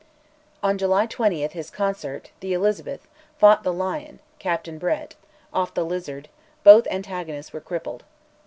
On July 20 his consort, The Elizabeth, fought The Lion (Captain Brett) off the Lizard; both antagonists were crippled.